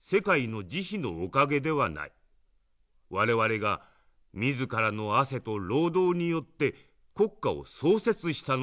我々が自らの汗と労働によって国家を創設したのである。